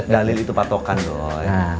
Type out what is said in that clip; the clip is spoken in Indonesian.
dalil itu patokan doi